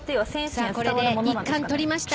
これで１冠とりました。